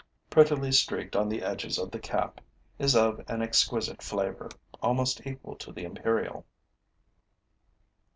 prettily streaked on the edges of the cap, is of an exquisite flavor, almost equal to the imperial.